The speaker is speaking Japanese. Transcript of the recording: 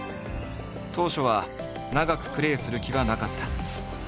当初は長くプレーする気はなかった。